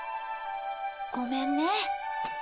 ごめんね。